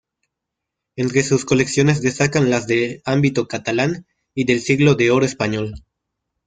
Entre sus colecciones destacan las de ámbito catalán y del Siglo de Oro español.